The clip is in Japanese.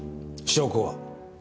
証拠は？